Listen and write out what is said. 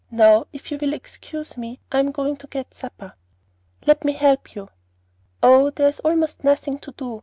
Now, if you will excuse me, I am going to get supper." "Let me help you." "Oh, there is almost nothing to do.